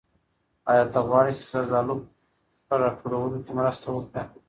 آیا ته غواړې چې د زردالیو په راټولولو کې مرسته وکړې؟